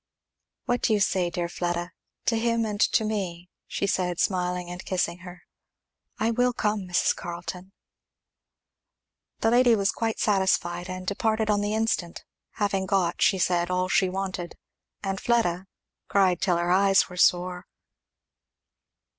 "What do you say, dear Fleda to him and to me?" she said smiling and kissing her. "I will come, Mrs. Carleton." The lady was quite satisfied and departed on the instant, having got, she said, all she wanted; and Fleda cried till her eyes were sore.